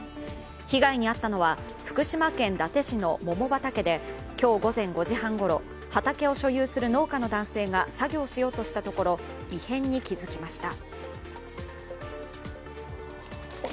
被害に遭ったのは福島県伊達市の桃畑で今日午前５時半ごろ畑を所有する農家の男性が作業しようとしたところ異変に気付きました。